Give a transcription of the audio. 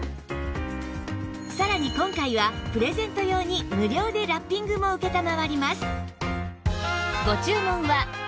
さらに今回はプレゼント用に無料でラッピングも承ります